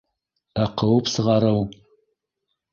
Ә ҡыуып сығарыу